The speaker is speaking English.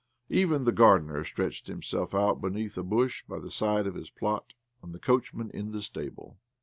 Even the gardener stretched himself out beneath a bush by the side of his plot, and the coachman in the stable.